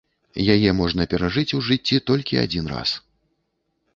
Яе можна перажыць у жыцці толькі адзін раз.